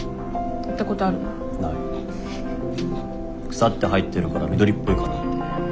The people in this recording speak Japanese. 「草」って入ってるから緑っぽいかなって。